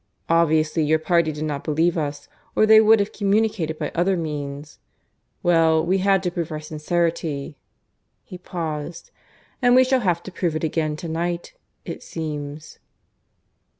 Obviously your party did not believe us, or they would have communicated by other means. Well, we had to prove our sincerity." (He paused). "And we shall have to prove it again to night, it seems."